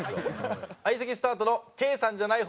相席スタートのケイさんじゃない方